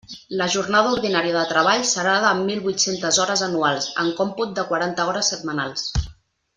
La jornada ordinària de treball serà de mil vuit-centes hores anuals, en còmput de quaranta hores setmanals.